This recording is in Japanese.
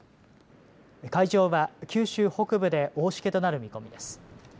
海上は九州北部で大しけとなる見込みです。